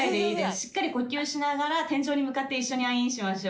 しっかり呼吸しながら天井に向かって一緒に「アイーン」しましょう。